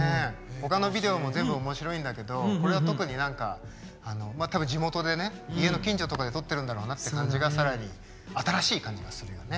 ほかのビデオも全部おもしろいんだけどこれは特に何かたぶん地元でね家の近所とかで撮ってるんだろうなって感じがさらに新しい感じがするよね。